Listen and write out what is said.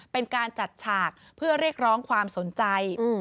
เป็นการจัดฉากเพื่อเรียกร้องความสนใจ